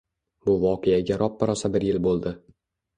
Bu voqeaga roppa-rosa bir yil bo`ldi